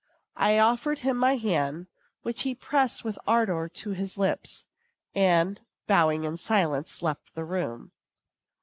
I offered him my hand, which he pressed with ardor to his lips, and, bowing in silence, left the room.